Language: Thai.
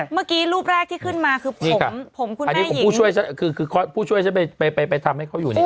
เมื่อกี้รูปแรกที่ขึ้นมาคือผมผมคุณแม่หญิงอันนี้คือข้อพูดช่วยช่วยไปทำให้เขาอยู่นี่